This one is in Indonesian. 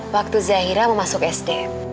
waktu zaira mau masuk sd